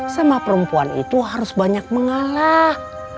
sama perempuan itu harus banyak mengalah